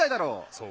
そう？